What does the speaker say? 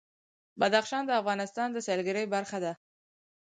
بدخشان د افغانستان د سیلګرۍ برخه ده.